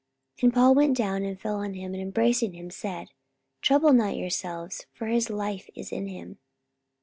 44:020:010 And Paul went down, and fell on him, and embracing him said, Trouble not yourselves; for his life is in him.